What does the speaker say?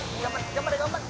頑張れ頑張れ！